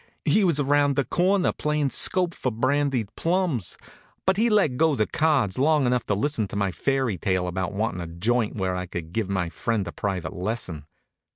He was around the corner playing 'scope for brandied plums, but he let go the cards long enough to listen to my fairy tale about wantin' a joint where I could give my friend a private lesson.